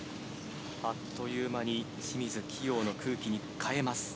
あっという間に清水希容の空気に変えます。